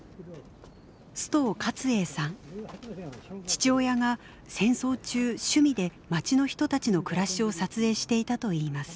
父親が戦争中趣味で町の人たちの暮らしを撮影していたといいます。